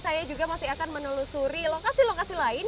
saya juga masih akan menelusuri lokasi lokasi lain